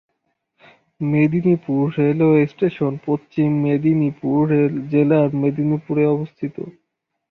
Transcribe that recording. Medinipur railway station Paschim Medinipur জেলার মেদিনীপুরে অবস্থিত।